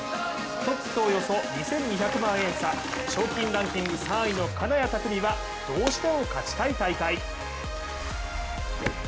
トップとおよそ２２００万円差、賞金ランキング３位の金谷拓実はどうしても、勝ちたい大会。